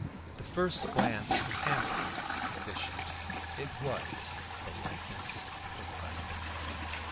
The first glance was amply sufficient. It was the likeness of her husband.